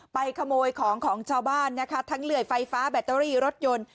ขโมยของของชาวบ้านนะคะทั้งเหลื่อยไฟฟ้าแบตเตอรี่รถยนต์